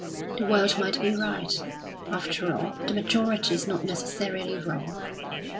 The world might be right. After all, the majority is not necessarily wrong.